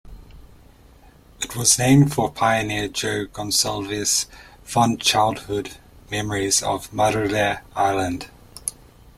It was named for pioneer Joe Gonsalves' fond childhood memories of Madeira Island.